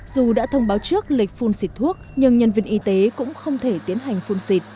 dù đã thông báo trước lịch phun xịt thuốc nhưng nhân viên y tế cũng không thể tiến hành phun xịt